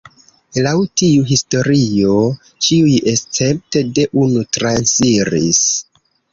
Laŭ tiu historio ĉiuj escepte de unu transiris.